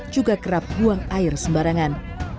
juga kerap buang air sembarangan